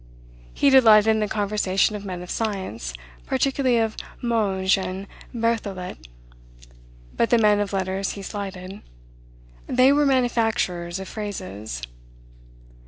He delighted in the conversation of men of science, particularly of Monge and Berthollet; but the men of letters he slighted; "they were manufacturers of phrases."